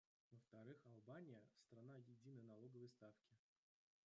Во-вторых, Албания — страна единой налоговой ставки.